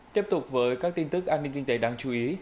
tiếp tục với các tin tức an ninh kinh tế đáng chú ý